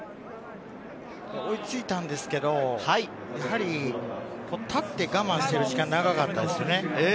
追いついたんですけれど、立って我慢している時間が長かったですよね。